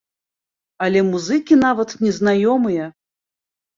Але музыкі нават не знаёмыя!